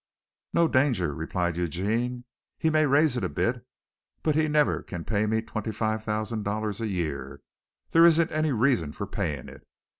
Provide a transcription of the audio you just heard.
"No danger," replied Eugene. "He may raise it a bit, but he never can pay me twenty five thousand dollars a year. There isn't any reason for paying it.